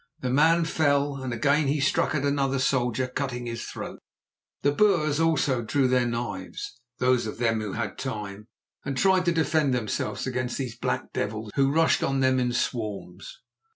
The man fell, and again he struck at another soldier, cutting his throat. The Boers also drew their knives—those of them who had time—and tried to defend themselves against these black devils, who rushed on them in swarms.